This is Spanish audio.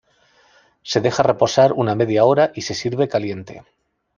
Se deja reposar una media hora y se sirve caliente.